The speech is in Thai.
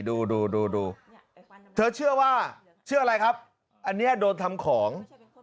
ดูดูดูเธอเชื่อว่าเชื่ออะไรครับอันนี้โดนทำของ